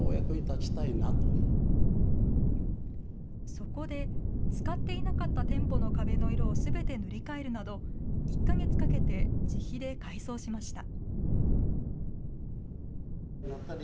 そこで、使っていなかった店舗の壁の色をすべて塗り替えるなど、１か月かけて自費で改装しました。